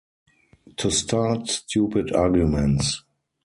To start stupid arguments.